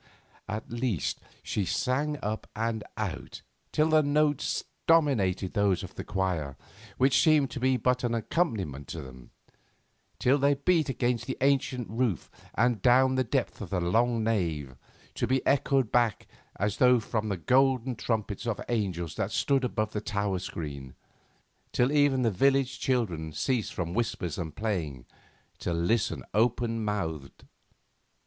At least, she sang up and out, till her notes dominated those of the choir, which seemed to be but an accompaniment to them; till they beat against the ancient roof and down the depth of the long nave, to be echoed back as though from the golden trumpets of the angels that stood above the tower screen; till even the village children ceased from whispers and playing to listen open mouthed.